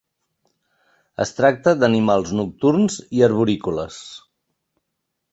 Es tracta d'animals nocturns i arborícoles.